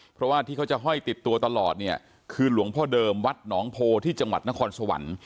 เพราะว่าที่เขาจะห้อยติดตัวตลอดเนี่ยคือหลวงพ่อเดิมวัดหนองโพที่จังหวัดนครสวรรค์